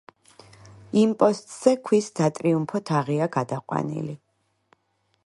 იმპოსტზე ქვის სატრიუმფო თაღია გადაყვანილი.